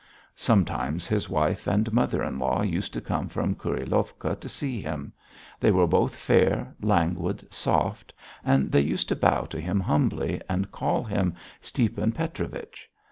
Sometimes his wife and mother in law used to come from Kurilovka to see him; they were both fair, languid, soft, and they used to bow to him humbly and call him Stiepan Petrovich.